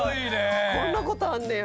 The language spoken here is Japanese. こんなことあんねや。